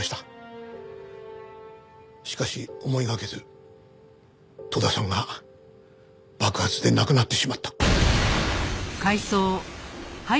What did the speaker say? しかし思いがけず遠田さんが爆発で亡くなってしまった。